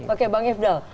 oke bang ifdal